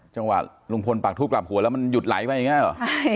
จังหวะลุงพลปากทูปกลับหัวแล้วมันหยุดไหลไปอย่างนี้หรอ